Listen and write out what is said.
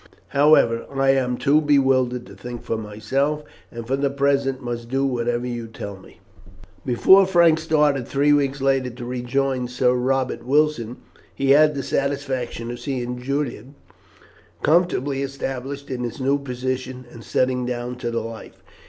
"However, I am too bewildered to think for myself, and for the present must do whatever you tell me." Before Frank started three weeks later to rejoin Sir Robert Wilson he had the satisfaction of seeing Julian comfortably established in his new position, and settling down to the life.